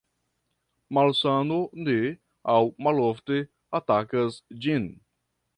Malsano ne aŭ malofte atakas ĝin.